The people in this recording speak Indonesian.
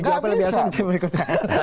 dijawabnya lebih asik di video berikutnya